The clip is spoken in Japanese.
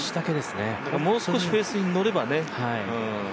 もう少しフェースに乗ればね。